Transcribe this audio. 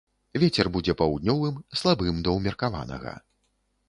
Вецер будзе паўднёвым, слабым да ўмеркаванага.